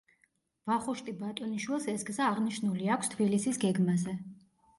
ვახუშტი ბატონიშვილს ეს გზა აღნიშნული აქვს თბილისის გეგმაზე.